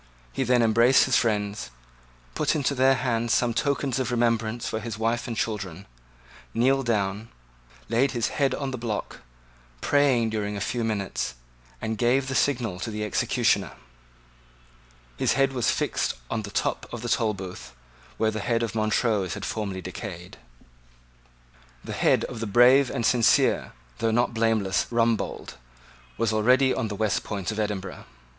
He then embraced his friends, put into their hands some tokens of remembrance for his wife and children, kneeled down, laid his head on the block, prayed during a few minutes, and gave the signal to the executioner. His head was fixed on the top of the Tolbooth, where the head of Montrose had formerly decayed. The head of the brave and sincere, though not blameless Rumbold, was already on the West Port of Edinburgh.